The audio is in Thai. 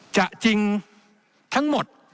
จะจริงทั้งหมด